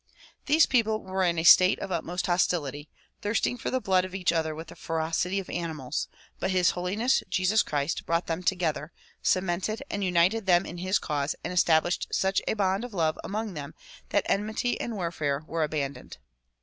These people were in a state of utmost hostility, thirst ing for the blood of each other with the ferocity of animals ; but His Holiness Jesus Christ brought them together, cemented and united them in his cause and established such a bond of love among them that enmity and warfare were abandoned.